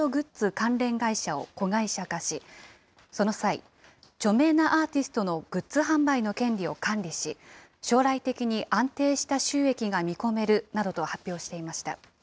関連会社を子会社化し、その際、著名なアーティストのグッズ販売の権利を管理し、将来的に安定した収益が見込めるなどと発表していました。